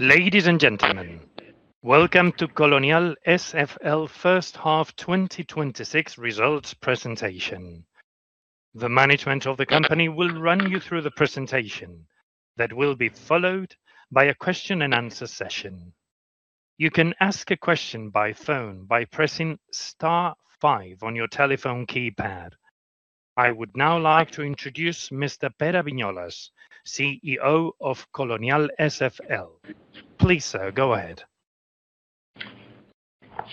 Ladies and gentlemen, welcome to Colonial SFL first half 2026 results presentation. The management of the company will run you through the presentation. That will be followed by a question-and-answer session. You can ask a question by phone by pressing star five on your telephone keypad. I would now like to introduce Mr. Pere Viñolas, CEO of Colonial SFL. Please, sir, go ahead.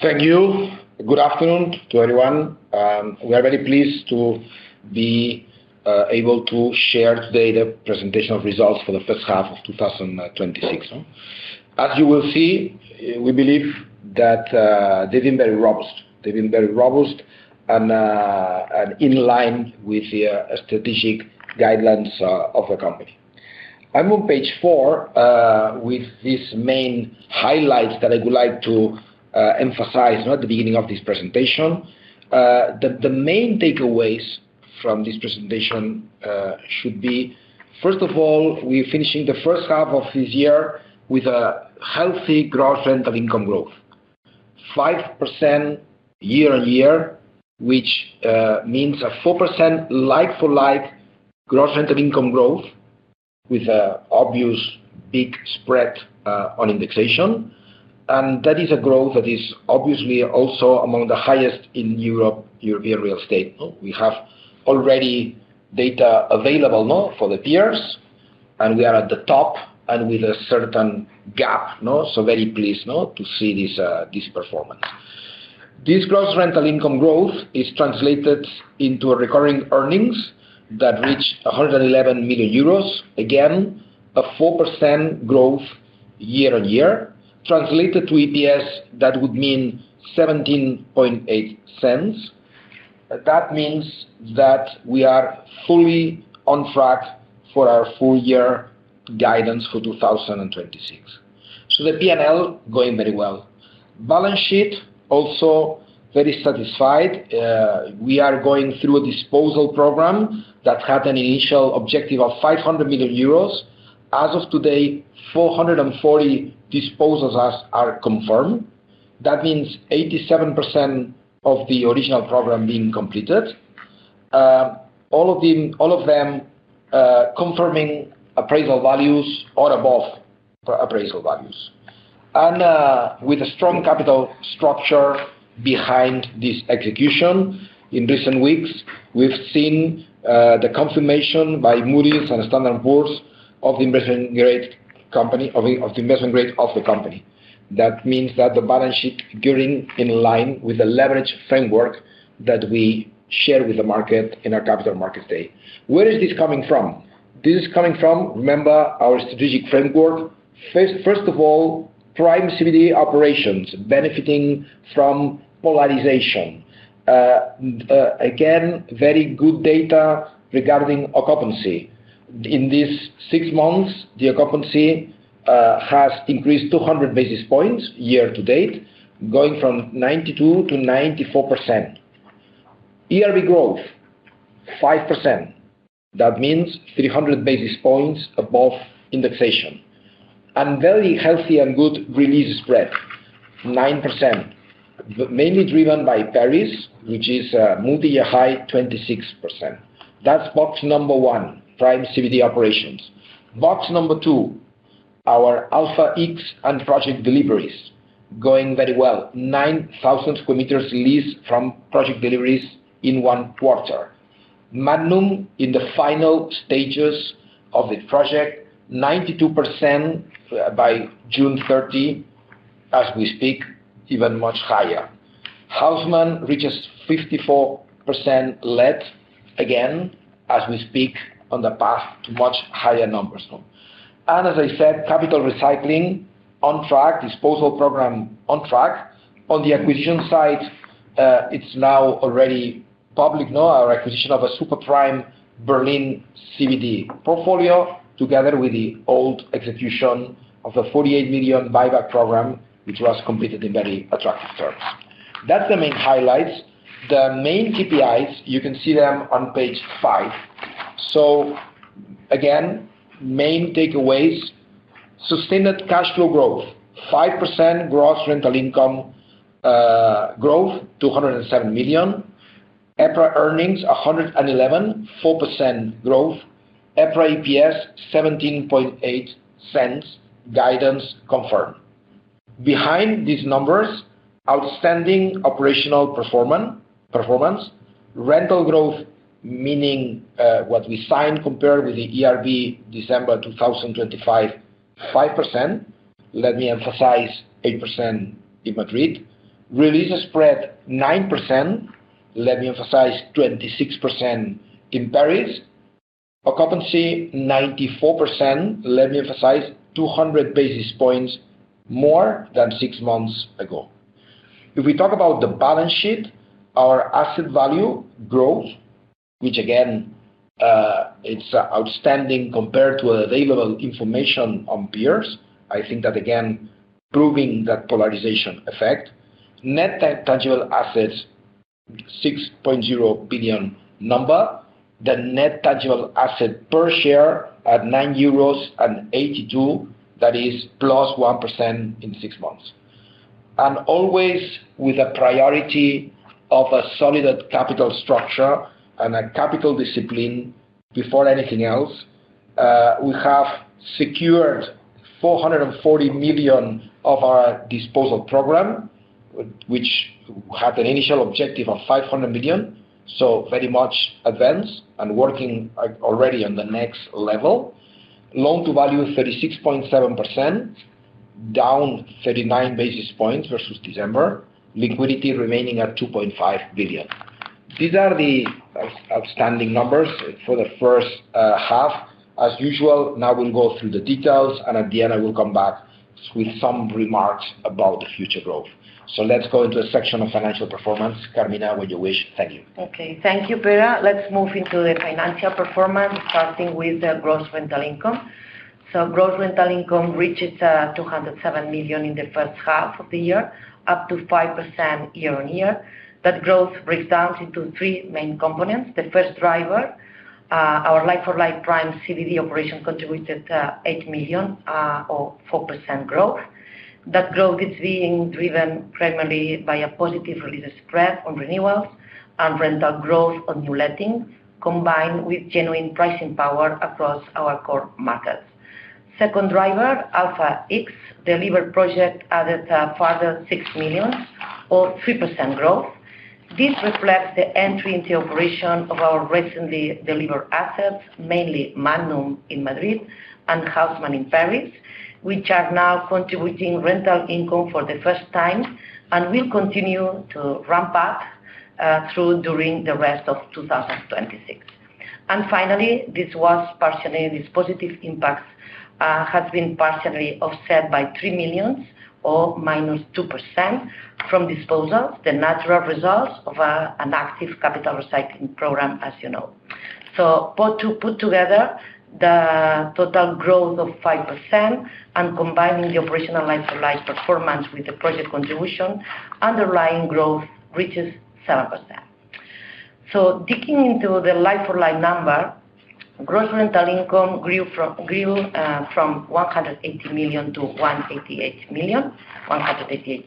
Thank you. Good afternoon to everyone. We are very pleased to be able to share today the presentation of results for the first half of 2026. As you will see, we believe that they've been very robust and in line with the strategic guidelines of the company. I am on page four with these main highlights that I would like to emphasize now at the beginning of this presentation. The main takeaways from this presentation should be, first of all, we are finishing the first half of this year with a healthy gross rental income growth, 5% year-on-year, which means a 4% like for like gross rental income growth with an obvious big spread on indexation. That is a growth that is obviously also among the highest in European real estate. We have already data available for the peers. We are at the top and with a certain gap. Very pleased to see this performance. This gross rental income growth is translated into recurring earnings that reach 111 million euros. Again, a 4% growth year-on-year. Translated to EPS, that would mean 0.178. That means that we are fully on track for our full year guidance for 2026. The P&L going very well. Balance sheet also very satisfied. We are going through a disposal program that had an initial objective of 500 million euros. As of today, 440 disposals are confirmed. That means 87% of the original program being completed. All of them confirming appraisal values or above appraisal values. With a strong capital structure behind this execution. In recent weeks, we've seen the confirmation by Moody's and Standard & Poor's of the investment grade of the company. That means that the balance sheet gearing in line with the leverage framework that we shared with the market in our capital markets day. Where is this coming from? This is coming from, remember our strategic framework. First of all, prime CBD operations benefiting from polarization. Again, very good data regarding occupancy. In these six months, the occupancy has increased 200 basis points year-to-date, going from 92%-94%. ERV growth, 5%. That means 300 basis points above indexation. Very healthy and good relet spread, 9%, mainly driven by Paris, which is multi-year high, 26%. That's box number one, prime CBD operations. Box number two, our Alpha X and project deliveries. Going very well. 9,000 sq m leased from project deliveries in one quarter. Madnum in the final stages of the project, 92% by June 30. As we speak, even much higher. Haussmann reaches 54% let. Again, as we speak, on the path to much higher numbers now. As I said, capital recycling on track, disposal program on track. On the acquisition side, it is now already public. Our acquisition of a super prime Berlin CBD portfolio, together with the old execution of the 48 million buyback program, which was completed in very attractive terms. That's the main highlights. The main KPIs, you can see them on page five. Again, main takeaways, sustained cash flow growth, 5% gross rental income growth, 207 million. EPRA earnings 111 million, 4% growth. EPRA EPS 0.178. Guidance confirmed. Behind these numbers, outstanding operational performance. Rental growth, meaning what we signed compared with the ERV December 2025, 5%. Let me emphasize, 8% in Madrid. Relet spread 9%. Let me emphasize, 26% in Paris. Occupancy 94%. Let me emphasize, 200 basis points more than six months ago. If we talk about the balance sheet, our asset value growth, which again, it is outstanding compared to available information on peers. I think that again, proving that polarization effect. Net tangible assets 6.0 billion number. The net tangible asset per share at 9.82 euros, that is +1% in six months. Always with a priority of a solid capital structure and a capital discipline before anything else, we have secured 440 million of our disposal program, which had an initial objective of 500 million, so very much advanced and working already on the next level. Loan-to-value 36.7%, down 39 basis points versus December. Liquidity remaining at 2.5 billion. These are the outstanding numbers for the first half. As usual, now we will go through the details. At the end, I will come back with some remarks about the future growth. Let's go into the section of financial performance. Carmina, when you wish. Thank you. Okay. Thank you, Pere. Let's move into the financial performance, starting with the gross rental income. Gross rental income reaches 207 million in the first half of the year, up to 5% year-on-year. That growth breaks down into three main components. The first driver, our like-for-like prime CBD operation, contributed 8 million, or 4% growth. That growth is being driven primarily by a positive release spread on renewals and rental growth on new lettings, combined with genuine pricing power across our core markets. Second driver, Alpha X delivered project added a further 6 million or 3% growth. This reflects the entry into operation of our recently delivered assets, mainly Madnum in Madrid and Haussmann in Paris, which are now contributing rental income for the first time and will continue to ramp up during the rest of 2026. Finally, this positive impact has been partially offset by 3 million or -2% from disposals, the natural result of an active capital recycling program, as you know. Put together, the total growth of 5% and combining the operational like-for-like performance with the project contribution, underlying growth reaches 7%. Digging into the like-for-like number, gross rental income grew from 180 million to 188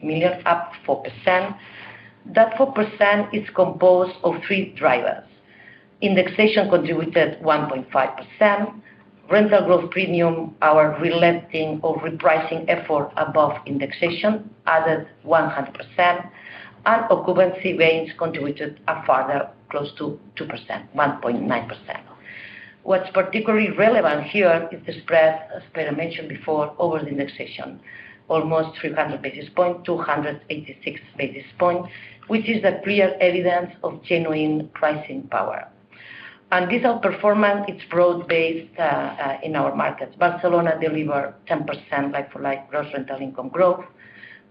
million, up 4%. That 4% is composed of three drivers. Indexation contributed 1.5%. Rental growth premium, our reletting or repricing effort above indexation, added 100%, and occupancy gains contributed a further close to 2%, 1.9%. What's particularly relevant here is the spread, as Pere mentioned before, over the indexation. Almost 300 basis points, 286 basis points, which is a clear evidence of genuine pricing power. This outperformance, it's broad based in our markets. Barcelona delivered 10% like-for-like gross rental income growth.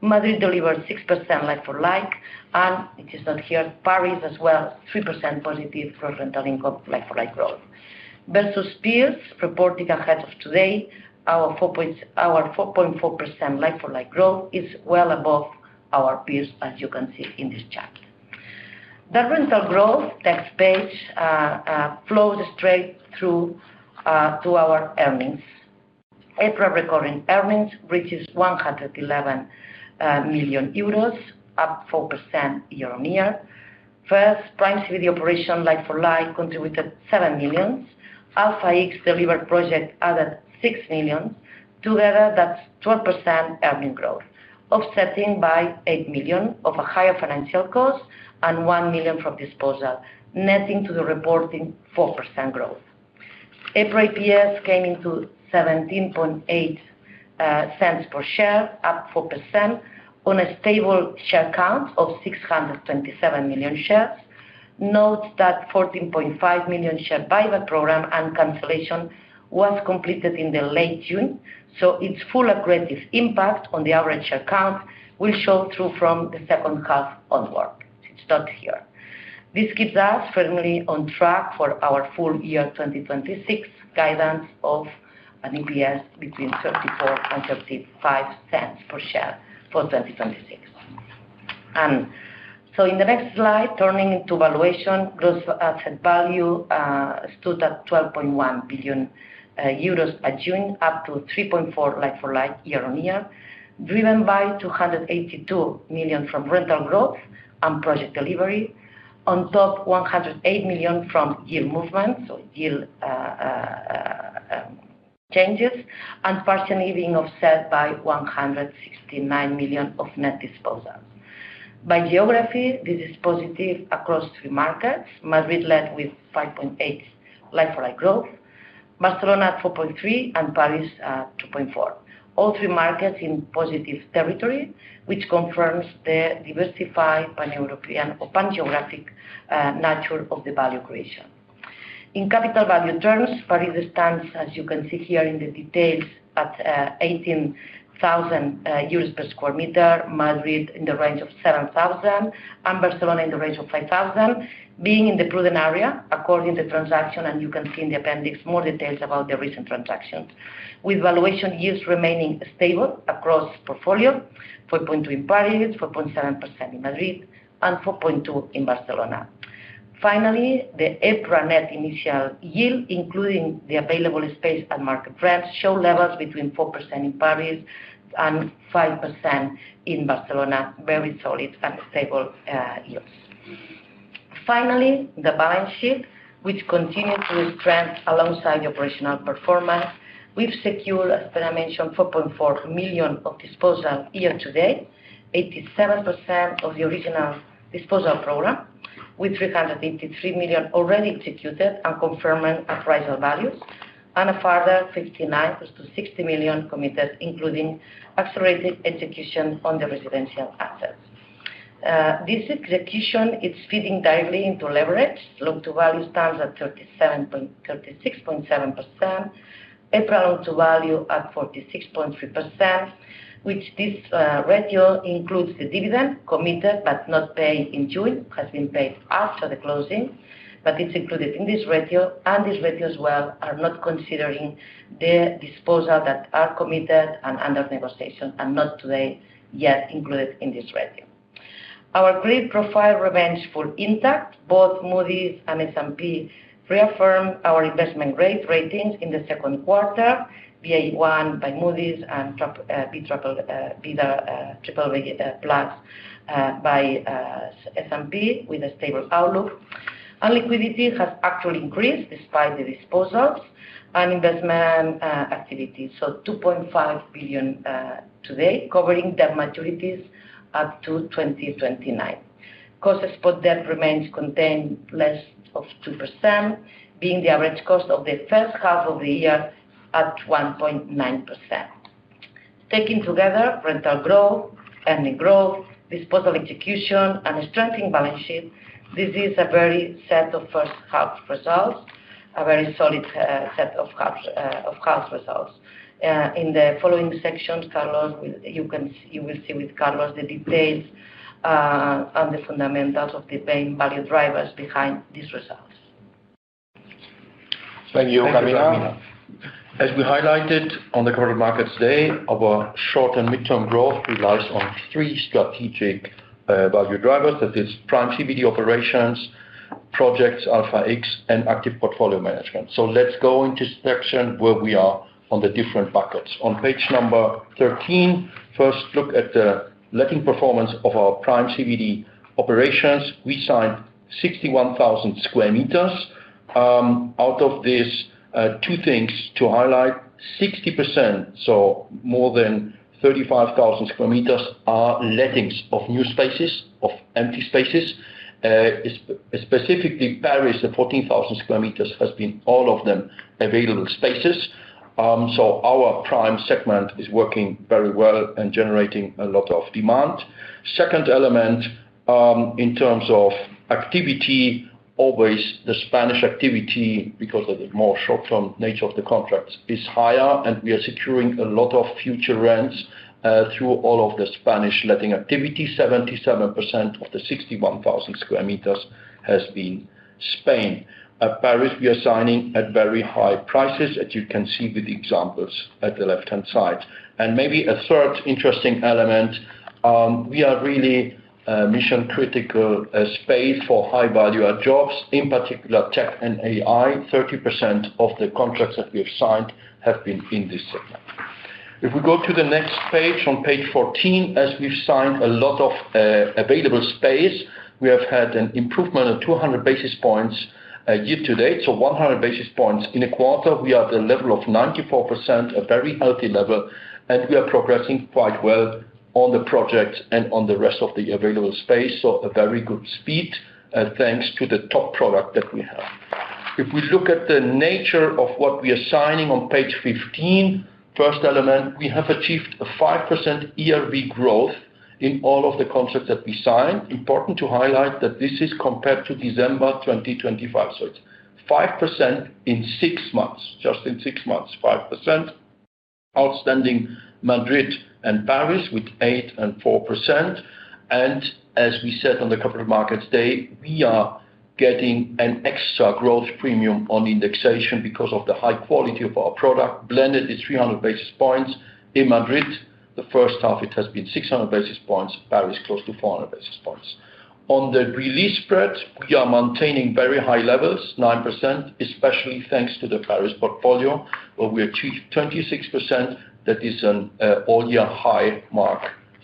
Madrid delivered 6% like-for-like. It is not here, Paris as well, 3% positive gross rental income like-for-like growth. Versus peers reported ahead of today, our 4.4% like-for-like growth is well above our peers, as you can see in this chart. The rental growth tax base flows straight through to our earnings. EPRA recording earnings reaches 111 million euros, up 4% year-on-year. First, prime CBD operation like-for-like contributed 7 million. Alpha X delivered project added 6 million. Together, that's 12% earnings growth, offsetting by 8 million of a higher financial cost and 1 million from disposal, netting to the reporting 4% growth. EPRA EPS came into 0.178 per share, up 4%, on a stable share count of 627 million shares. Note that 14.5 million share buyback program and cancellation was completed in the late June, its full aggressive impact on the average share count will show through from the second half onward. It's not here. This keeps us firmly on track for our full year 2026 guidance of an EPS between 0.34 and 0.35 per share for 2026. In the next slide, turning into valuation, gross asset value stood at 12.1 billion euros at June, up to 3.4% like-for-like year-on-year, driven by 282 million from rental growth and project delivery. On top, 108 million from yield movements or yield changes, and partially being offset by 169 million of net disposals. By geography, this is positive across three markets. Madrid led with 5.8% like-for-like growth, Barcelona 4.3%, and Paris 2.4%. All three markets in positive territory, which confirms the diversified pan-European or pan-geographic nature of the value creation. In capital value terms, Paris stands, as you can see here in the details, at 18,000 euros per sq m, Madrid in the range of 7,000, and Barcelona in the range of 5,000, being in the prudent area according to transaction, and you can see in the appendix more details about the recent transactions. With valuation yields remaining stable across portfolio, 4.2% in Paris, 4.7% in Madrid, and 4.2% in Barcelona. Finally, the EPRA Net Initial Yield, including the available space and market rent, show levels between 4% in Paris and 5% in Barcelona. Very solid and stable yields. Finally, the balance sheet, which continues to strengthen alongside the operational performance. We've secured, as Pere mentioned, 4.4 million of disposal year to date, 87% of the original disposal program, with 383 million already executed and confirming appraisal values, and a further 59 million close to 60 million committed, including accelerated execution on the residential assets. This execution is feeding directly into leverage. Loan-to-value stands at 36.7%. EPRA Loan-to-Value at 46.3%, which this ratio includes the dividend committed but not paid in June, has been paid after the closing. It's included in this ratio, and this ratio as well are not considering the disposals that are committed and under negotiation, and not today yet included in this ratio. Our credit profile remains fully intact. Both Moody's and S&P reaffirmed our investment grade ratings in the second quarter, Baa1 by Moody's and BBB+ by S&P with a stable outlook. Liquidity has actually increased despite the disposals and investment activities. 2.5 billion today, covering debt maturities up to 2029. Core spot debt remains contained less of 2%, being the average cost of the first half of the year at 1.9%. Taken together, rental growth, earning growth, disposal execution, and a strengthening balance sheet, this is a very solid set of half results. In the following sections, you will see with Carlos the details on the fundamentals of the main value drivers behind these results. Thank you, Carmina. As we highlighted on the capital markets day, our short and midterm growth relies on three strategic value drivers. That is Prime CBD operations, Projects Alpha X, and active portfolio management. Let's go into section where we are on the different buckets. On page 13, first look at the letting performance of our Prime CBD operations. We signed 61,000 square meters. Out of this, two things to highlight. 60%, so more than 35,000 square meters are lettings of new spaces, of empty spaces. Specifically, Paris, the 14,000 square meters has been all of them available spaces. Our prime segment is working very well and generating a lot of demand. Second element, in terms of activity, always the Spanish activity, because of the more short-term nature of the contracts, is higher, and we are securing a lot of future rents through all of the Spanish letting activity. 77% of the 61,000 square meters has been Spain. At Paris, we are signing at very high prices, as you can see with the examples at the left-hand side. Maybe a third interesting element, we are really mission-critical space for high-value jobs, in particular tech and AI. 30% of the contracts that we have signed have been in this segment. If we go to the next page, on page 14, as we've signed a lot of available space, we have had an improvement of 200 basis points year to date. 100 basis points in a quarter. We are at the level of 94%, a very healthy level, and we are progressing quite well on the projects and on the rest of the available space. A very good speed thanks to the top product that we have. If we look at the nature of what we are signing on page 15, first element, we have achieved a 5% ERV growth in all of the contracts that we signed. Important to highlight that this is compared to December 2025. So, it's 5% in six months, just in six months, 5%. Outstanding Madrid and Paris with 8% and 4%. As we said on the capital markets day, we are getting an extra growth premium on indexation because of the high quality of our product. Blended is 300 basis points. In Madrid, the first half it has been 600 basis points. Paris, close to 400 basis points. On the re-lease spread, we are maintaining very high levels, 9%, especially thanks to the Paris portfolio, where we achieved 26%. That is an all-year high mark,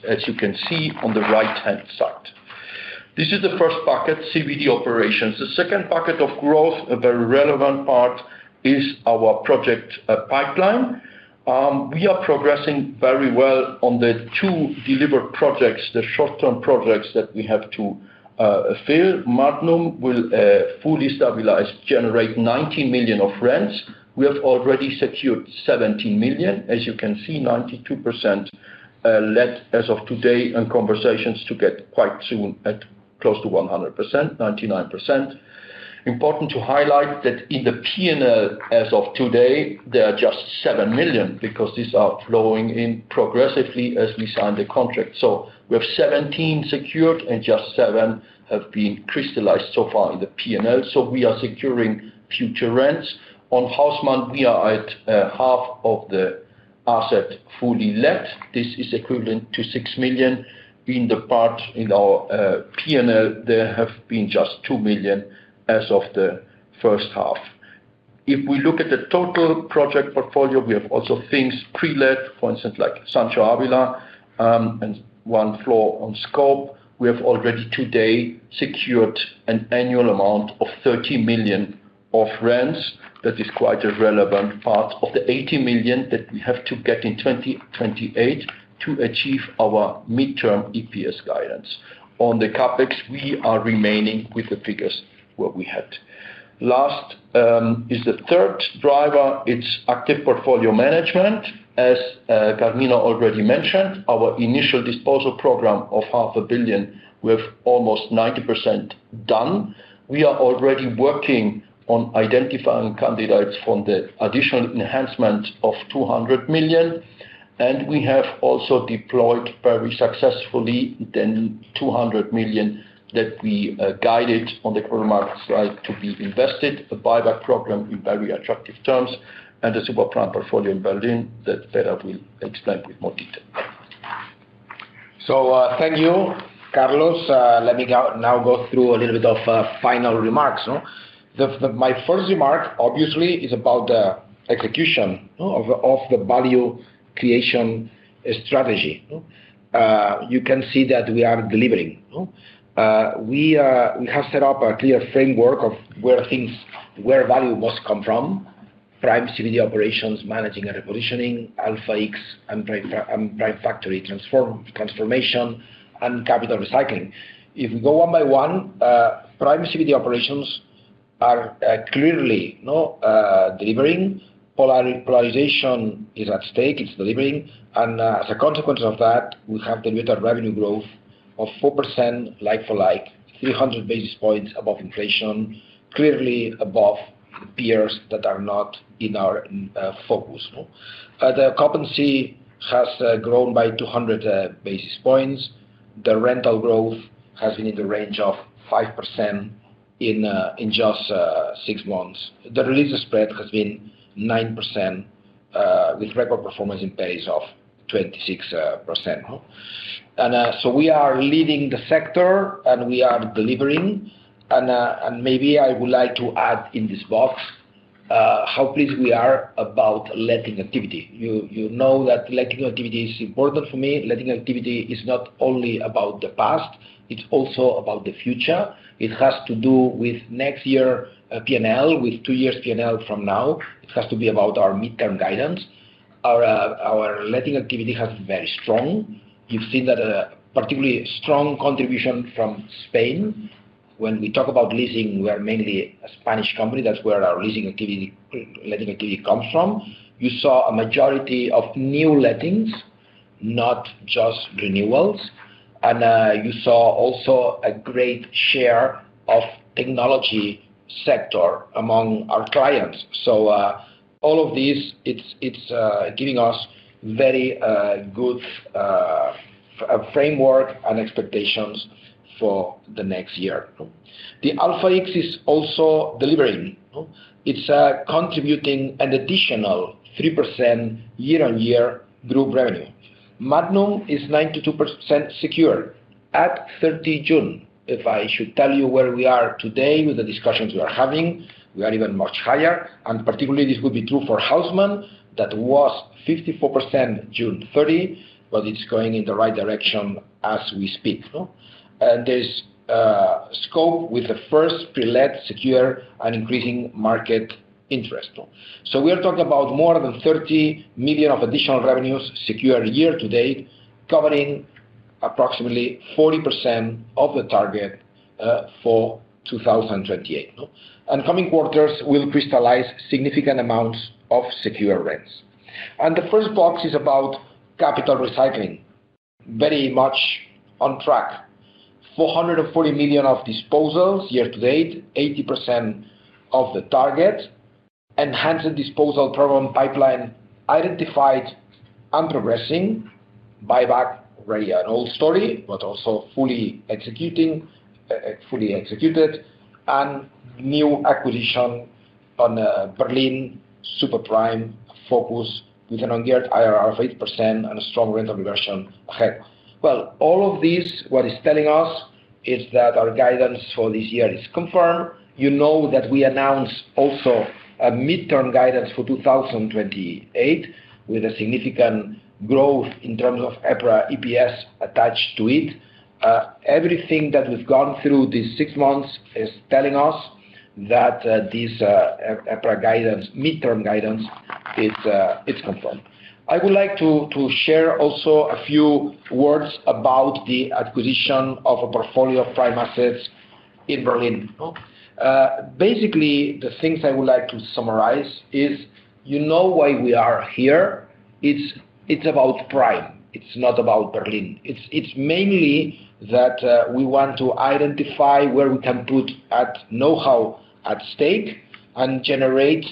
as you can see on the right-hand side. This is the first bucket, CBD operations. The second bucket of growth, a very relevant part, is our project pipeline. We are progressing very well on the two delivered projects, the short-term projects that we have to fill. Madnum will fully stabilize, generate 90 million of rents. We have already secured 17 million. As you can see, 92% let as of today, and conversations to get quite soon at close to 100%, 99%. Important to highlight that in the P&L as of today, there are just 7 million, because these are flowing in progressively as we sign the contract. So, we have 17 secured and just 7 have been crystallized so far in the P&L. We are securing future rents. On Haussmann, we are at half of the asset fully let. This is equivalent to 6 million in the part in our P&L. There have been just 2 million as of the first half. If we look at the total project portfolio, we have also things pre-let, for instance, like Sancho de Ávila, and one floor on Scope. We have already today secured an annual amount of EUR 30 million of rents. That is quite a relevant part of the 80 million that we have to get in 2028 to achieve our midterm EPS guidance. On the CapEx, we are remaining with the figures what we had. Last is the third driver. It's active portfolio management. As Carmina already mentioned, our initial disposal program of half a billion EUR, we have almost 90% done. We are already working on identifying candidates from the additional enhancement of 200 million, and we have also deployed very successfully the 200 million that we guided on the capital markets drive to be invested. A buyback program in very attractive terms and the super prime portfolio in Berlin that Pere will explain with more detail. Thank you, Carlos. Let me now go through a little bit of final remarks. My first remark, obviously, is about the execution of the value creation strategy. You can see that we are delivering. We have set up a clear framework of where value must come from. Prime CBD operations, managing and repositioning, Alpha X, and Prime Factory transformation, and capital recycling. If we go one by one, Prime CBD operations are clearly delivering. Polarisation is at stake, it's delivering, and as a consequence of that, we have delivered a revenue growth of 4% like for like, 300 basis points above inflation, clearly above peers that are not in our focus. The occupancy has grown by 200 basis points. The rental growth has been in the range of 5% in just six months. The release spread has been 9%, with record performance in Paris of 26%. We are leading the sector, and we are delivering. Maybe I would like to add in this box, how pleased we are about letting activity. You know that letting activity is important for me. Letting activity is not only about the past, it's also about the future. It has to do with next year P&L, with two years P&L from now. It has to be about our midterm guidance. Our letting activity has been very strong. You've seen that a particularly strong contribution from Spain. When we talk about leasing, we are mainly a Spanish company. That's where our letting activity comes from. You saw a majority of new lettings, not just renewals. You saw also a great share of technology sector among our clients. All of this, it's giving us very good framework and expectations for the next year. The Alpha X is also delivering. It's contributing an additional 3% year-on-year group revenue. Madnum is 92% secure at 30 June. If I should tell you where we are today with the discussions we are having, we are even much higher. Particularly, this will be true for Haussmann. That was 54% June 30, but it's going in the right direction as we speak. There's Scope with the first pre-let secure and increasing market interest. We are talking about more than 30 million of additional revenues secure year to date, covering approximately 40% of the target for 2028. Coming quarters will crystallize significant amounts of secure rents. The first box is about capital recycling. Very much on track. 440 million of disposals year to date, 80% of the target. Enhanced disposal program pipeline identified and progressing. Buyback, really an old story, but also fully executed. New acquisition on Berlin super prime focus with an on-year IRR of 8% and a strong rental diversion ahead. All of this, what is telling us is that our guidance for this year is confirmed. You know that we announced also a midterm guidance for 2028 with a significant growth in terms of EPRA EPS attached to it. Everything that we've gone through these six months is telling us that this EPRA midterm guidance, it's confirmed. I would like to share also a few words about the acquisition of a portfolio of prime assets in Berlin. Basically, the things I would like to summarize is, you know why we are here. It's about Prime. It's not about Berlin. It's mainly that we want to identify where we can put our know-how at stake and generate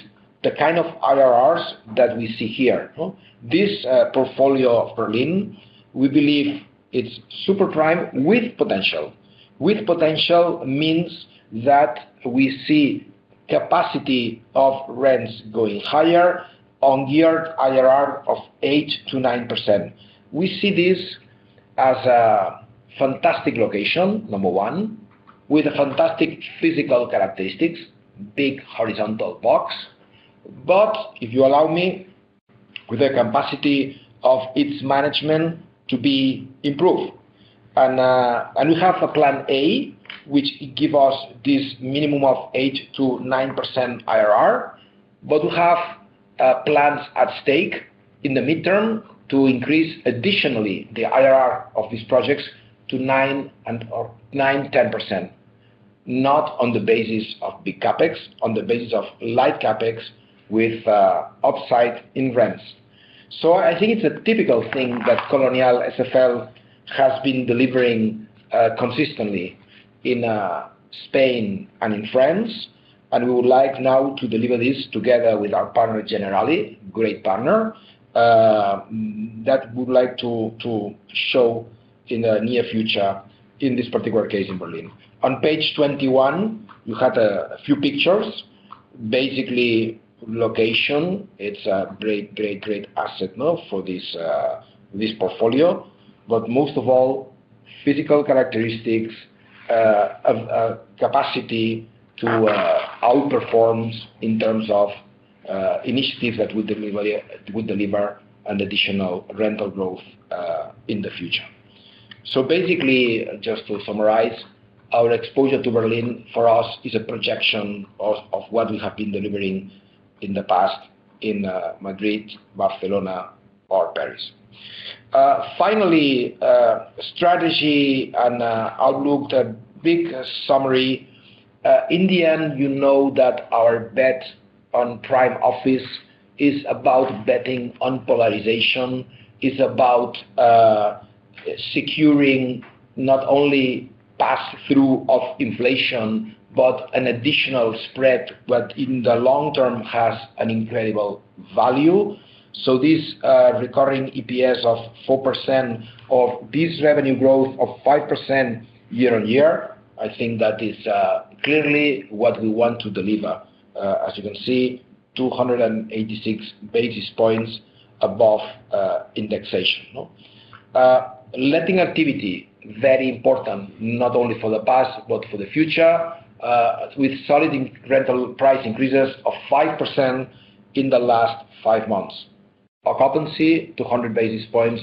the kind of IRRs that we see here. This portfolio of Berlin, we believe it's super prime with potential. With potential means that we see capacity of rents going higher on year IRR of 8%-9%. We see this as a fantastic location, number one, with fantastic physical characteristics, big horizontal box. If you allow me, with the capacity of its management to be improved. We have a plan A, which give us this minimum of 8%-9% IRR, but we have plans at stake in the midterm to increase additionally the IRR of these projects to 9% or 10%. Not on the basis of big CapEx, on the basis of light CapEx with upside in rents. I think it's a typical thing that Colonial SFL has been delivering consistently in Spain and in France, and we would like now to deliver this together with our partner, Generali, great partner, that we would like to show in the near future, in this particular case, in Berlin. On page 21, you had a few pictures. Basically, location. It's a great asset for this portfolio. Most of all, physical characteristics, capacity to outperform in terms of initiatives that would deliver an additional rental growth in the future. Basically, just to summarize, our exposure to Berlin for us is a projection of what we have been delivering in the past in Madrid, Barcelona, or Paris. Finally, strategy and outlook. A big summary. In the end, you know that our bet on prime office is about betting on polarization, is about securing not only pass-through of inflation, but an additional spread that in the long term has an incredible value. This recurring EPS of 4%, or this revenue growth of 5% year-over-year, I think that is clearly what we want to deliver. As you can see, 286 basis points above indexation. Letting activity, very important, not only for the past, but for the future, with solid rental price increases of 5% in the last five months. Occupancy, 200 basis points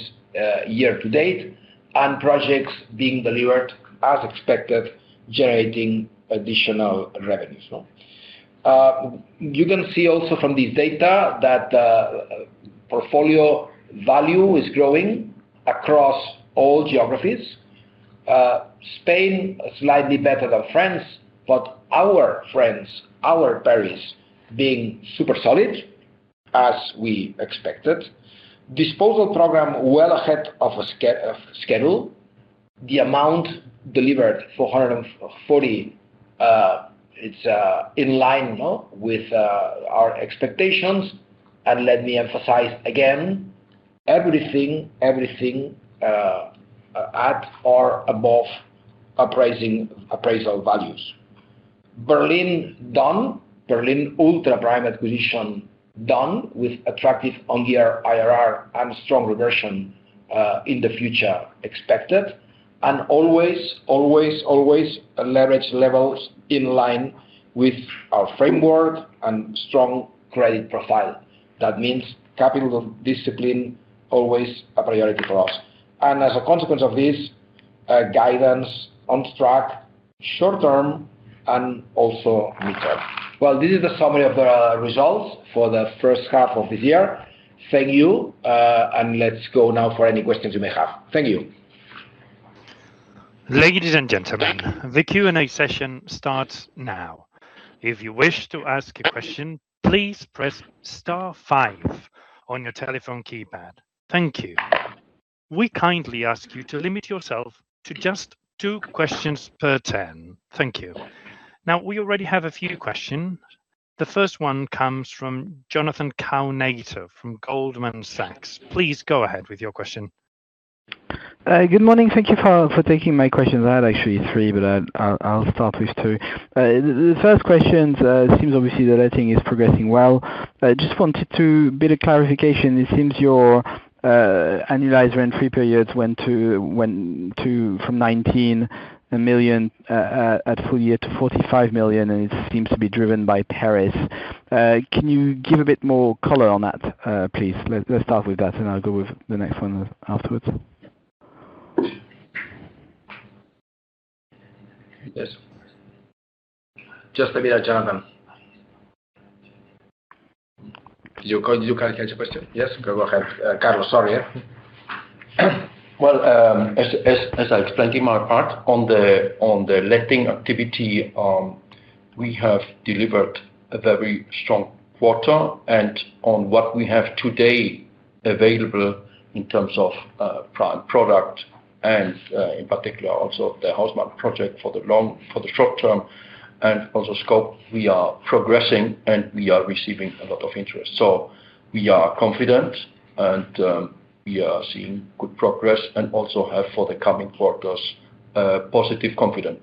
year to date, and projects being delivered as expected, generating additional revenues. You can see also from this data that portfolio value is growing across all geographies. Spain, slightly better than France, our France, our Paris, being super solid as we expected. Disposal program well ahead of schedule. The amount delivered, 440, it's in line with our expectations. Let me emphasize again, everything at or above appraisal values. Berlin, done. Berlin Ultra Prime acquisition done, with attractive on-year IRR and strong reversion in the future expected. Always leverage levels in line with our framework and strong credit profile. That means capital discipline always a priority for us. As a consequence of this, guidance on track short term and also midterm. Well, this is the summary of the results for the first half of the year. Thank you. Let's go now for any questions you may have. Thank you. Ladies and gentlemen, the Q&A session starts now. If you wish to ask a question, please press star five on your telephone keypad. Thank you. We kindly ask you to limit yourself to just two questions per turn. Thank you. We already have a few questions. The first one comes from Jonathan Kownator from Goldman Sachs. Please go ahead with your question. Good morning. Thank you for taking my questions. I had actually three, but I'll start with two. The first question, it seems obviously the letting is progressing well. Just wanted a bit of clarification. It seems your annualized rent-free periods went from 19 million at full year to 45 million, and it seems to be driven by Paris. Can you give a bit more color on that, please? Let's start with that, and I'll go with the next one afterwards. Yes. Just a minute, Jonathan. Did you catch the question? Yes. Go ahead, Carlos. Sorry. Well, as I explained in my part on the letting activity, we have delivered a very strong quarter. On what we have today available in terms of prime product and, in particular, also the Haussmann project for the short term and also Scope, we are progressing, and we are receiving a lot of interest. We are confident, and we are seeing good progress and also have for the coming quarters, positive confidence.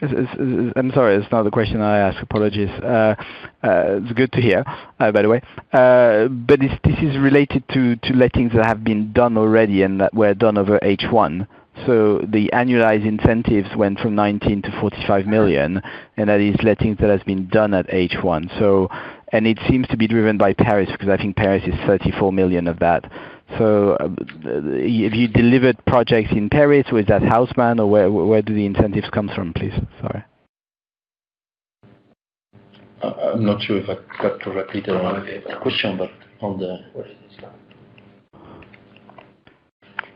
I am sorry, that is not the question I asked. Apologies. It is good to hear, by the way. This is related to lettings that have been done already and that were done over H1. The annualized incentives went from 19 million to 45 million, and that is lettings that has been done at H1. It seems to be driven by Paris, because I think Paris is 34 million of that. Have you delivered projects in Paris? Was that Haussmann? Or where do the incentives come from, please? Sorry. I am not sure if I got correctly the question, on the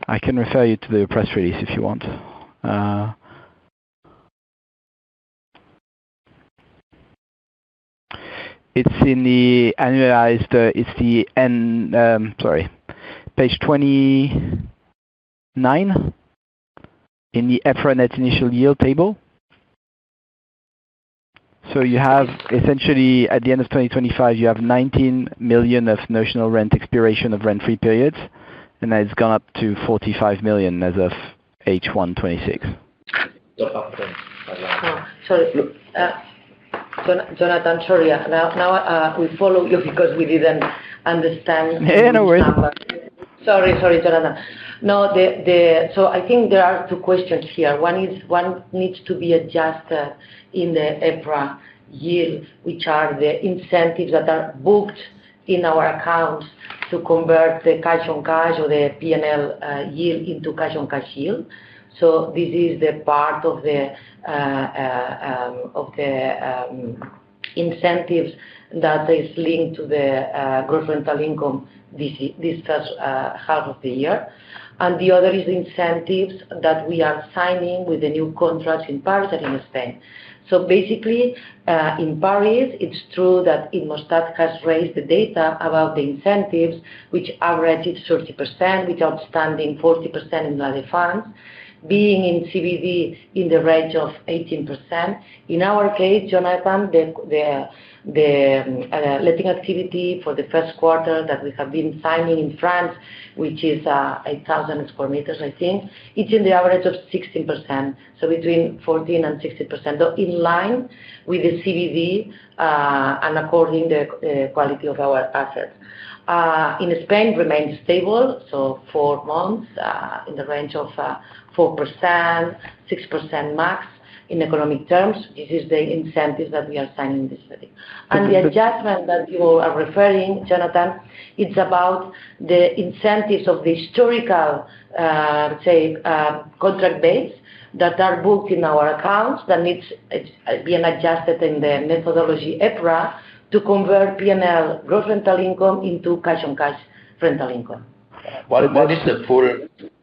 I can refer you to the press release if you want. It is in the annualized, page 29 in the EPRA Net Initial Yield table. You have essentially, at the end of 2025, you have 19 million of notional rent expiration of rent-free periods, and that is gone up to 45 million as of H1 2026. Jonathan, sorry. We follow you because we did not understand. Yeah, no worries Sorry, Jonathan. I think there are two questions here. One needs to be adjusted in the EPRA yield, which are the incentives that are booked in our accounts to convert the cash on cash or the P&L yield into cash-on-cash yield. This is the part of the incentives that is linked to the gross rental income this first half of the year. The other is incentives that we are signing with the new contracts in Paris and in Spain. Basically, in Paris, it's true that ImmoStat has raised the data about the incentives, which averaged 30%, with outstanding 40% in La Défense, being in CBD in the range of 18%. In our case, Jonathan, the letting activity for the first quarter that we have been signing in France, which is 8,000 sq m, I think, it's in the average of 16%. Between 14% and 16%, in line with the CBD, according the quality of our assets. In Spain, remains stable, four months, in the range of 4%-6% max. In economic terms, this is the incentives that we are signing this city. The adjustment that you are referring, Jonathan, it's about the incentives of the historical, let's say, contract base that are booked in our accounts. That needs being adjusted in the methodology, EPRA, to convert P&L gross rental income into cash-on-cash rental income. This is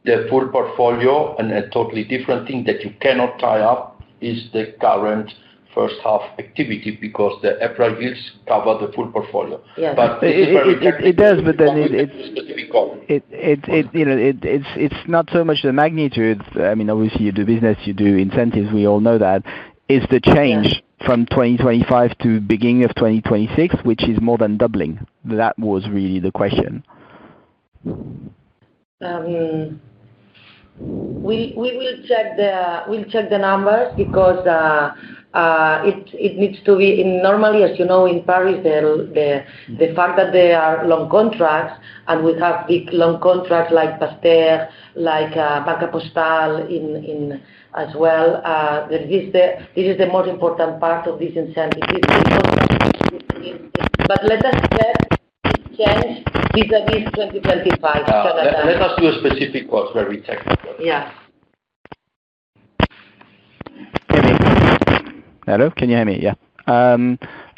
the full portfolio, a totally different thing that you cannot tie up is the current first half activity, because the EPRA yields cover the full portfolio. Yes. It is very- It does, it- Specific call it's not so much the magnitude. Obviously, you do business, you do incentives, we all know that. It's the change- Yes from 2025 to beginning of 2026, which is more than doubling. That was really the question. We will check the numbers because it needs to be, normally, as you know, in Paris, the fact that they are long contracts, and we have big, long contracts like Pasteur, like La Banque Postale as well, this is the most important part of this incentive is let us check change vis-à-vis 2025. Let us do a specific call where we check that. Yeah. Hello, can you hear me? Yeah.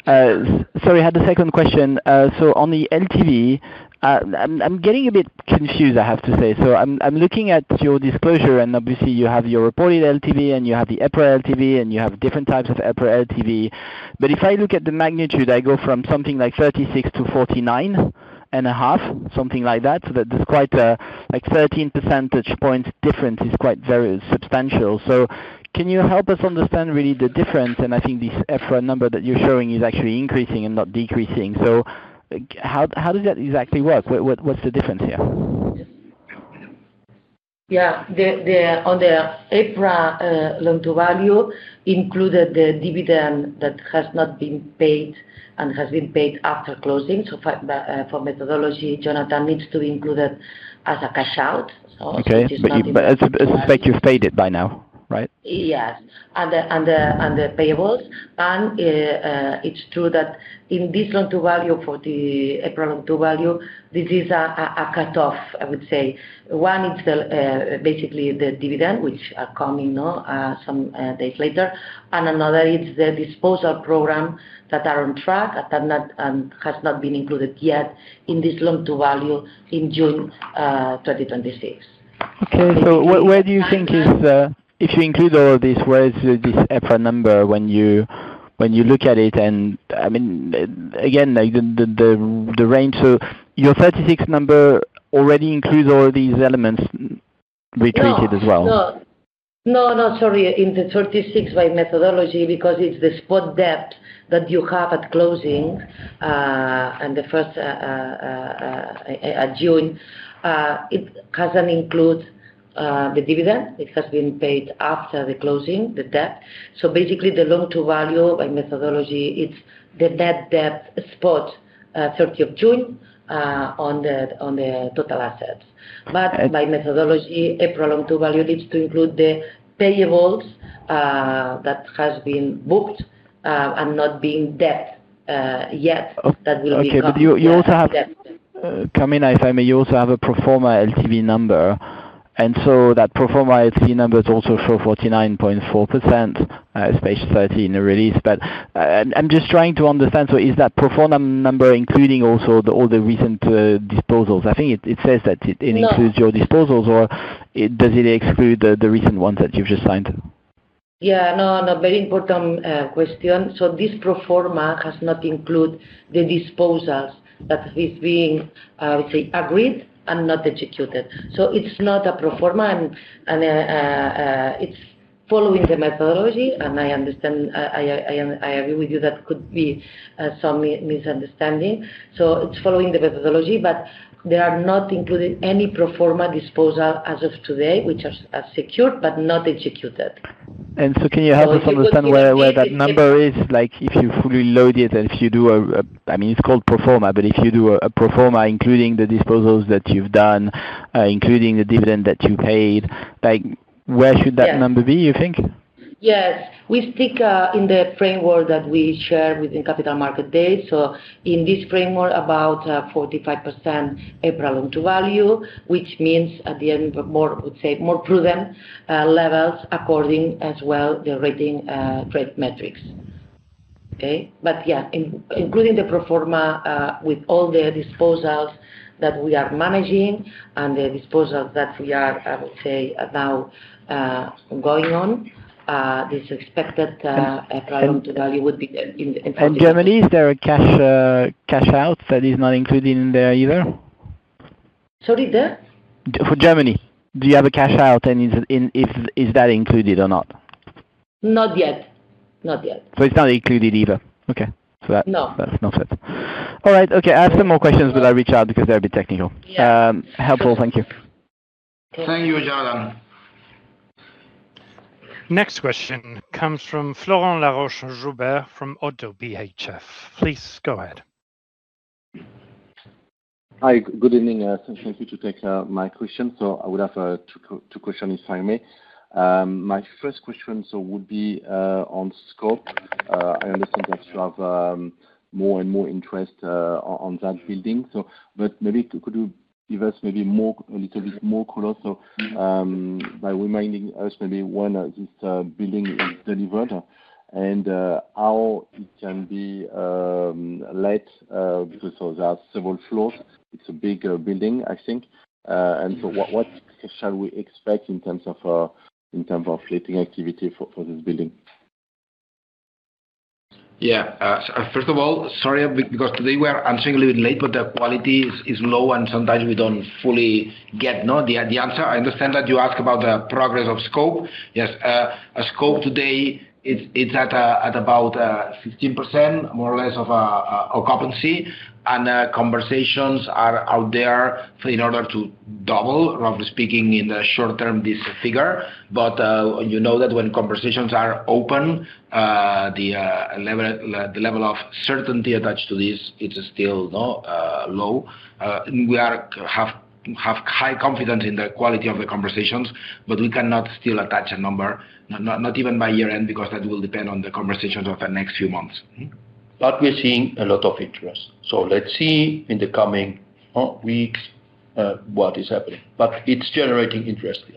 Sorry, I had the second question. On the LTV, I'm getting a bit confused, I have to say. I'm looking at your disclosure, and obviously you have your reported LTV, and you have the EPRA LTV, and you have different types of EPRA LTV. If I look at the magnitude, I go from something like 36 to 49.5, something like that. That is quite a 13-percentage point difference is quite substantial. Can you help us understand really the difference, and I think this EPRA number that you're showing is actually increasing and not decreasing. How does that exactly work? What's the difference here? On the EPRA loan-to-value included the dividend that has not been paid and has been paid after closing. For methodology, Jonathan, needs to be included as a cash out. It is not included. Okay. Its effect, you've paid it by now, right? Yes. The payables. It's true that in this loan-to-value, for the EPRA loan-to-value, this is a cutoff, I would say. One is basically the dividend, which are coming some days later, and another is the disposal program that are on track that has not been included yet in this loan-to-value in June 2026. Okay. Where do you think is the, if you include all of this, where is this EPRA number when you look at it and, again, the range. Your 36 number already includes all these elements treated as well. No. Sorry. In the 36 by methodology, because it's the spot debt that you have at closing, and the 1st June, it doesn't include the dividend, it has been paid after the closing, the debt. Basically, the loan to value by methodology, it's the net debt spot, 30th June on the total assets. By methodology, EPRA LTV needs to include the payables that has been booked and not being debt yet. Okay. You also have, Carmina, if I may, you also have a pro forma LTV number, that pro forma LTV number is also for 49.4%, page 13 release. I'm just trying to understand, is that pro forma number including also all the recent disposals? I think it says that it includes- No your disposals, or does it exclude the recent ones that you've just signed? Yeah. No, very important question. This pro forma has not included the disposals that is being, I would say, agreed and not executed. It's not a pro forma, it's following the methodology. I understand, I agree with you, that could be some misunderstanding. It's following the methodology, but they are not including any pro forma disposal as of today, which are secured but not executed. Can you help us understand where that number is, if you fully load it and if you do a It's called pro forma, but if you do a pro forma including the disposals that you've done, including the dividend that you paid, where should that number be, you think? Yes. We speak in the framework that we share within capital market day. In this framework, about 45% EPRA LTV, which means at the end, would say more prudent levels according as well the rating metrics. Okay? Yeah, including the pro forma, with all the disposals that we are managing and the disposals that we are, I would say, now going on, this expected EPRA LTV would be in- In Germany, is there a cash out that is not included in there either? Sorry, the? For Germany, do you have a cash out, and is that included or not? Not yet. It's not included either. Okay. No Not it. All right. Okay, I have some more questions, but I'll reach out because they're a bit technical. Yes. Helpful. Thank you. Okay. Thank you, Jonathan. Next question comes from Florent Laroche-Joubert from ODDO BHF. Please go ahead. Hi. Good evening. Thank you to take my question. I would have two question, if I may. My first question would be, on Scope. I understand that you have more and more interest on that building. Maybe could you give us maybe a little bit more color by reminding us maybe when this building is delivered and how it can be let, because there are several floors. It's a big building, I think. What shall we expect in terms of letting activity for this building? First of all, sorry, because today we are answering a little bit late, but the quality is low, and sometimes we don't fully get know the answer. I understand that you ask about the progress of Scope. Yes, Scope today it's at about 15%, more or less, of occupancy. Conversations are out there for in order to double, roughly speaking, in the short term, this figure. You know that when conversations are open, the level of certainty attached to this, it's still low. We have high confidence in the quality of the conversations, but we cannot still attach a number, not even by year-end, because that will depend on the conversations of the next few months. We are seeing a lot of interest. Let's see in the coming weeks what is happening. It's generating interest in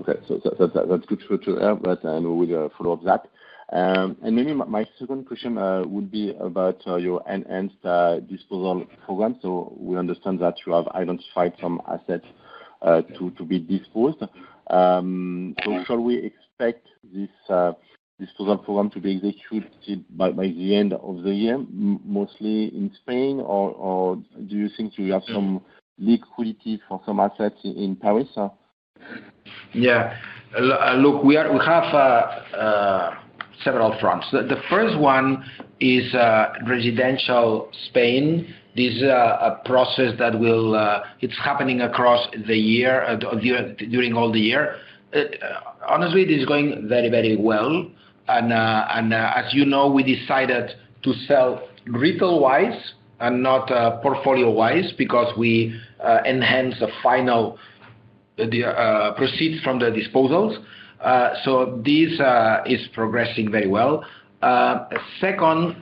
the asset. That's good to hear. I know we are follow up that. Maybe my second question would be about your enhanced disposal program. We understand that you have identified some assets to be disposed. Shall we expect this disposal program to be executed by the end of the year, mostly in Spain? Do you think you have some liquidity for some assets in Paris? Look, we have several fronts. The first one is residential Spain. This is a process that it's happening across the year, during all the year. Honestly, it is going very well, and as you know, we decided to sell retail-wise and not portfolio-wise because we enhance the final proceeds from the disposals. This is progressing very well. Second,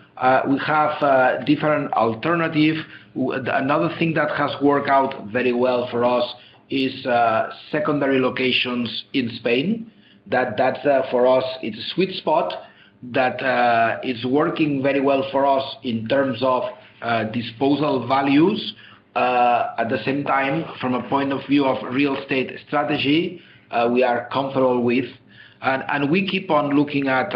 we have different alternative. Another thing that has worked out very well for us is secondary locations in Spain. That, for us, it's a sweet spot that is working very well for us in terms of disposal values. At the same time, from a point of view of real estate strategy, we are comfortable with. We keep on looking at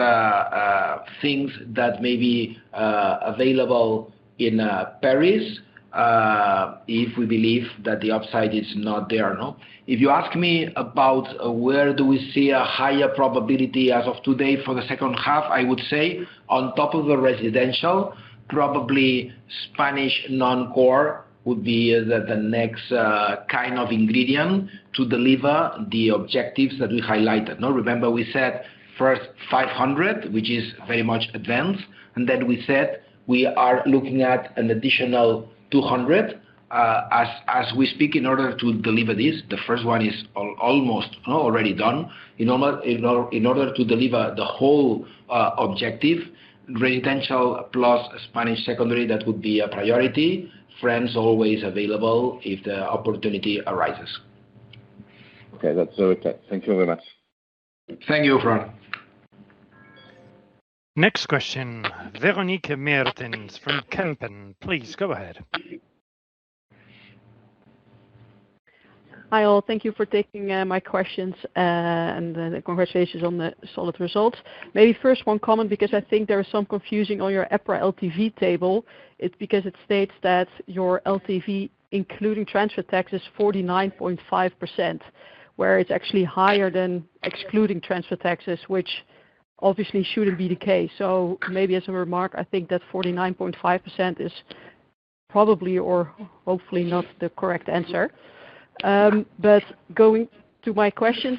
Things that may be available in Paris, if we believe that the upside is not there. If you ask me about, where do we see a higher probability as of today for the second half, I would say on top of the residential, probably Spanish non-core would be the next kind of ingredient to deliver the objectives that we highlighted. Remember we said first 500 million, which is very much advanced, and then we said we are looking at an additional 200 million. As we speak, in order to deliver this, the first one is almost already done. In order to deliver the whole objective, residential plus Spanish secondary, that would be a priority. France always available if the opportunity arises. Okay, that's all, okay. Thank you very much. Thank you, Florent. Next question. Véronique Meertens from Kempen. Please, go ahead. Hi all, thank you for taking my questions, congratulations on the solid results. Maybe first one comment because I think there is some confusion on your EPRA LTV table. It's because it states that your LTV, including transfer taxes, 49.5%, where it's actually higher than excluding transfer taxes, which obviously shouldn't be the case. Maybe as a remark, I think that 49.5% is probably or hopefully not the correct answer. Going to my questions,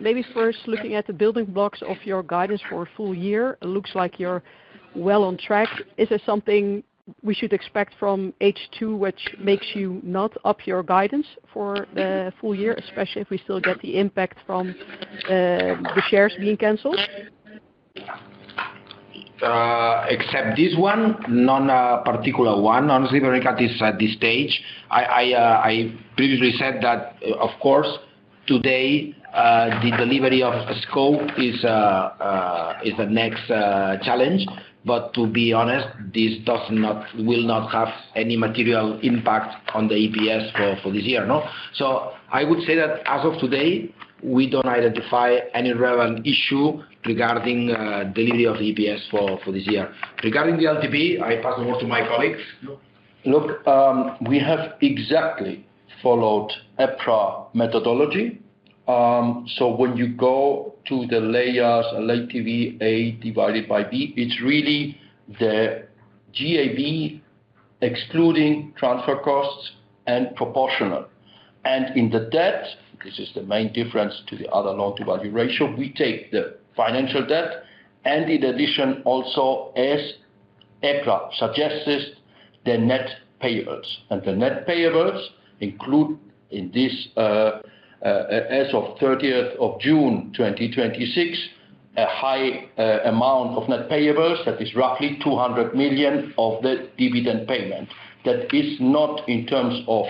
maybe first looking at the building blocks of your guidance for a full year, looks like you're well on track. Is there something we should expect from H2, which makes you not up your guidance for the full year, especially if we still get the impact from the shares being canceled? Except this one, none particular one, honestly, regarding at this stage. I previously said that, of course, today, the delivery of Scope is the next challenge. To be honest, this will not have any material impact on the EPS for this year. I would say that as of today, we don't identify any relevant issue regarding delivery of EPS for this year. Regarding the LTV, I pass the word to my colleagues. Look, we have exactly followed EPRA methodology. When you go to the layers LTV A divided by B, it's really the GAV excluding transfer costs and proportional. In the debt, this is the main difference to the other loan to value ratio, we take the financial debt, and in addition, also as EPRA suggests, the net payables. The net payables include in this, as of 30th of June 2026, a high amount of net payables that is roughly 200 million of the dividend payment. That is not in terms of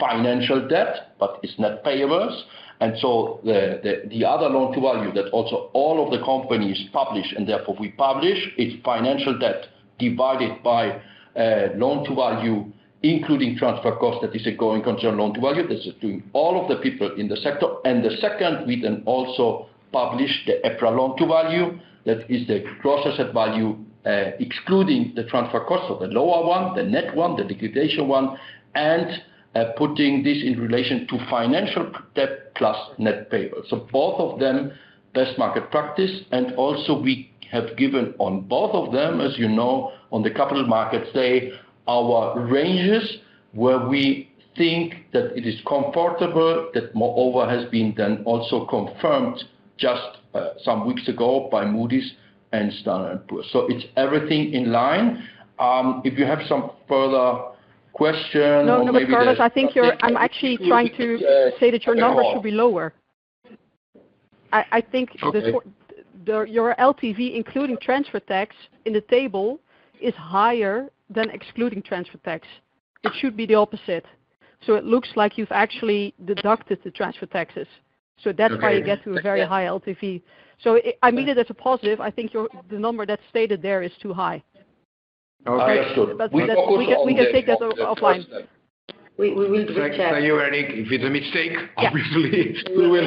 financial debt, but it's net payables. The other loan to value that also all of the companies publish, and therefore we publish, its financial debt divided by loan to value, including transfer cost. That is a going concern loan to value. That's doing all of the people in the sector. The second, we also publish the EPRA loan to value. That is the gross asset value, excluding the transfer cost of the lower one, the net one, the liquidation one, and putting this in relation to financial debt plus net payable. Both of them, best market practice. Also, we have given on both of them, as you know, on the capital markets day, our ranges where we think that it is comfortable, that moreover has been also confirmed just some weeks ago by Moody's and Standard & Poor's. It's everything in line. If you have some further question or maybe. No, Carlos, I'm actually trying to say that your numbers should be lower. Okay. I think your LTV, including transfer tax in the table, is higher than excluding transfer tax. It should be the opposite. It looks like you've actually deducted the transfer taxes. That's why you get to a very high LTV. I mean it as a positive. I think the number that's stated there is too high. Okay. Understood. We focus on the first step. We focus on the first step. We will recheck. Thank you, Véronique. If it's a mistake, obviously we will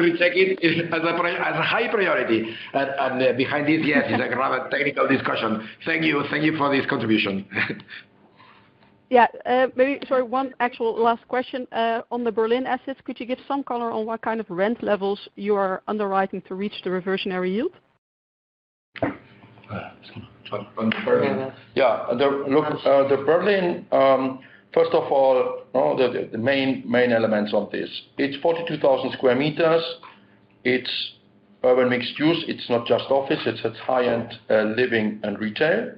recheck it as a high priority. Behind this, yes, it's like rather technical discussion. Thank you. Thank you for this contribution. Yeah. Maybe, sorry, one actual last question. On the Berlin assets, could you give some color on what kind of rent levels you are underwriting to reach the reversionary yield? On Berlin. Yeah. Look, the Berlin, first of all, the main elements of this. It's 42,000 sq m. It's urban mixed-use. It's not just office, it's high-end living and retail.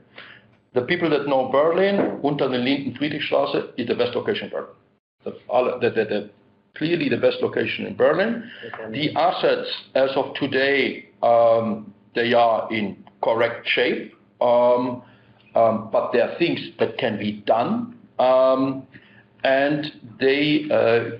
The people that know Berlin, Unter den Linden, Friedrichstraße is the best location in Berlin. Clearly the best location in Berlin. The assets, as of today, they are in correct shape. There are things that can be done. They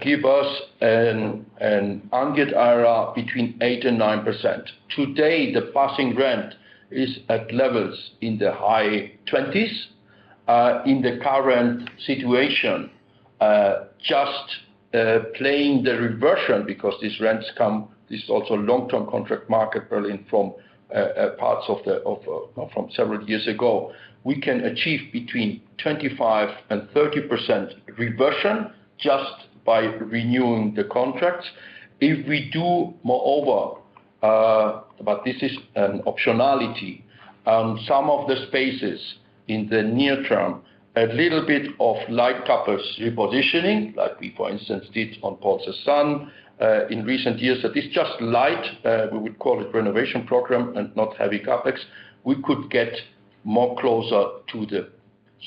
give us an ungeared IRR between 8% and 9%. Today, the passing rent is at levels in the high 20s. In the current situation, just playing the reversion because these rents come, this is also long-term contract market, Berlin, from parts from several years ago. We can achieve between 25% and 30% reversion just by renewing the contracts. If we do, moreover, but this is an optionality on some of the spaces in the near term, a little bit of light CapEx repositioning, like we, for instance, did on Potsdamer Platz in recent years. That is just light, we would call it renovation program, and not heavy CapEx. We could get more closer to the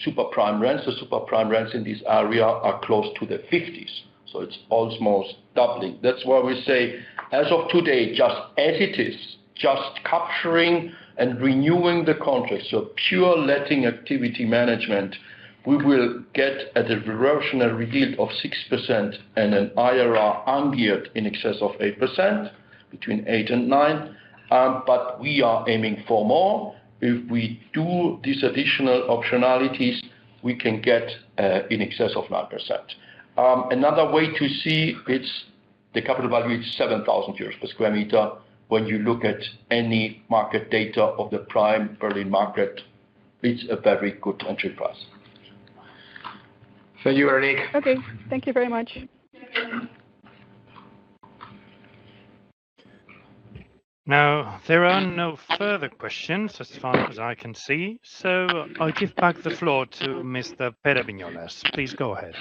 super prime rents. The super prime rents in this area are close to the 50s, so it's almost doubling. That's why we say as of today, just as it is, just capturing and renewing the contracts, so pure letting activity management, we will get at a reversion a yield of 6% and an IRR ungeared in excess of 8%, between 8% and 9%. We are aiming for more. If we do these additional optionalities, we can get in excess of 9%. Another way to see it's the capital value is 7,000 euros per sq m. When you look at any market data of the prime Berlin market, it's a very good entry price. Thank you, Véronique. Okay. Thank you very much. There are no further questions as far as I can see, so I give back the floor to Mr. Pere Viñolas. Please go ahead.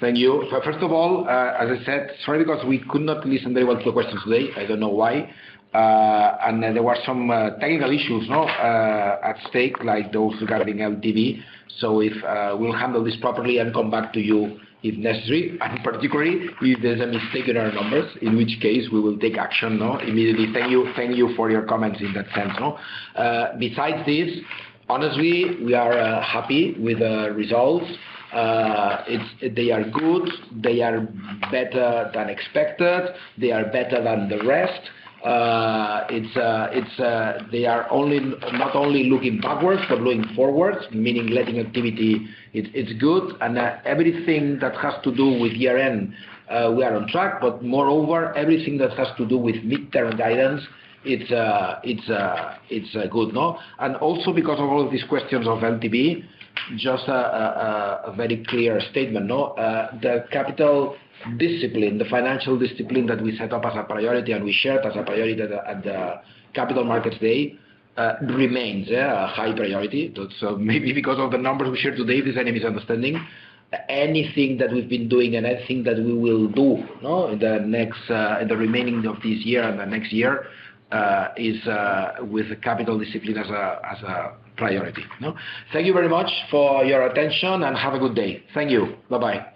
Thank you. First of all, as I said, sorry because we could not listen very well to the questions today. I don't know why. There were some technical issues at stake, like those regarding LTV. We'll handle this properly and come back to you if necessary, and particularly if there's a mistake in our numbers, in which case we will take action immediately. Thank you for your comments in that sense. Besides this, honestly, we are happy with the results. They are good. They are better than expected. They are better than the rest. They are not only looking backwards but looking forwards, meaning letting activity, it's good, and everything that has to do with year-end, we are on track, but moreover, everything that has to do with mid-term guidance, it's good. Also because of all these questions of LTV, just a very clear statement. The capital discipline, the financial discipline that we set up as a priority, and we shared as a priority at the Capital Markets Day remains a high priority. Maybe because of the numbers we shared today, there's an misunderstanding. Anything that we've been doing and anything that we will do in the remaining of this year, and the next year is with capital discipline as a priority. Thank you very much for your attention and have a good day. Thank you. Bye-bye.